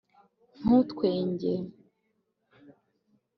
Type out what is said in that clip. ntuntwenge